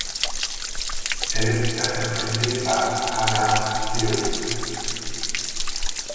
Elle est interprétée par Hannah Spearritt.